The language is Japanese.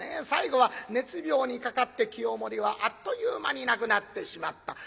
最後は熱病にかかって清盛はあっという間に亡くなってしまった。